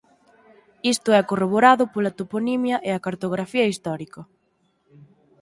Isto é corroborado pola toponimia e a cartografía histórica.